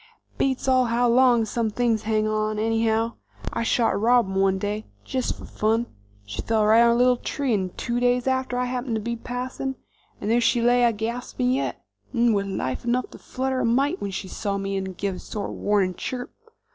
"Beats all how long some things hang on, anyhow. I shot a robin one day, jest fer fun. She fell right under a little tree, 'nd two days after I happened to be passing, and there she lay a gaspin' yet, 'nd with life enough to flutter a mite when she saw me, 'nd give sort of a warnin' chirp.